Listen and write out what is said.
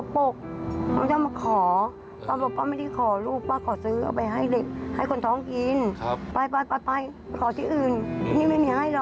ป้าก็บอกไปขอซื้อเขา